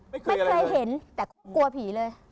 ไม่เคยเห็นแต่กลัวผีเลย